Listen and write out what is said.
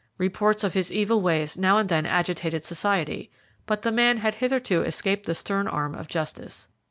Reports of his evil ways now and then agitated society, but the man had hitherto escaped the stern arm of justice.